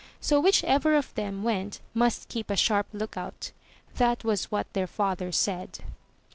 So which ever of them went must keep a sharp lookout; that was what their father said.